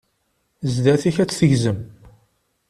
Zdat-k ad tt-tegzem.